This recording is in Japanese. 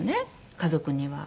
家族には。